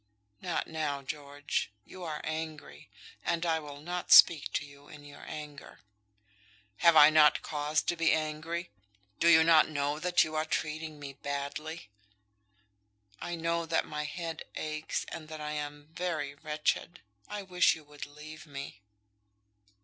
"Not now, George; you are angry, and I will not speak to you in your anger." "Have I not cause to be angry? Do you not know that you are treating me badly?" "I know that my head aches, and that I am very wretched. I wish you would leave me."